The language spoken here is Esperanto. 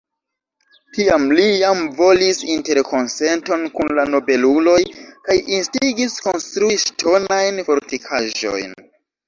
Tiam li jam volis interkonsenton kun la nobeluloj kaj instigis konstrui ŝtonajn fortikaĵojn.